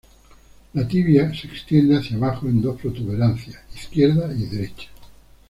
La tibia se extiende hacia abajo en dos protuberancias, izquierda y derecha.